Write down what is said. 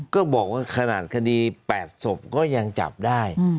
ก็บอกว่าขนาดคดี๘ศพก็ยังจับได้